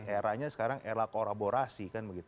eranya sekarang era kolaborasi